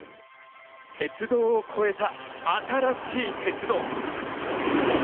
鉄道を超えた新しい鉄道。